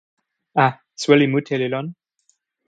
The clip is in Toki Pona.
a, soweli mute li lon.